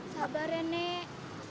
sabar ya nek